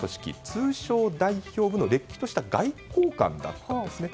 通商代表部の、れっきとした外交官だったんですね。